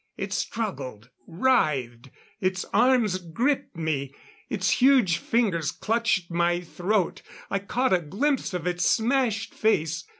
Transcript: It struggled, writhed ... Its arms gripped me, its huge fingers clutched my throat ... I caught a glimpse of its smashed face